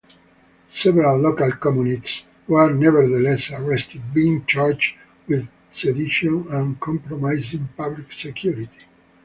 Several local communists were nevertheless arrested being charged with sedition and compromising public security.